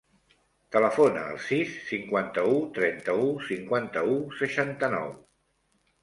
Telefona al sis, cinquanta-u, trenta-u, cinquanta-u, seixanta-nou.